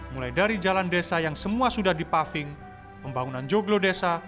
mulai dari jalan desa yang semua sudah dipaving pembangunan joglo desa